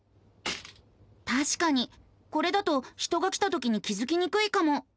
たしかにこれだと人が来たときに気付きにくいかも。